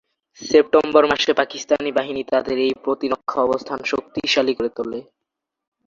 September মাসে পাকিস্তানি বাহিনী তাদের এই প্রতিরক্ষা অবস্থান শক্তিশালী করে তোলে।